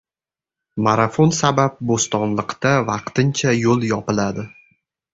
Marafon sabab Bo‘stonliqda vaqtincha yo‘l yopiladi